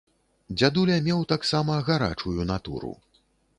Дзядуля меў таксама гарачую натуру.